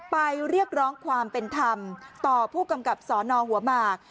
เรียกร้องความเป็นธรรมต่อผู้กำกับสนหัวหมาก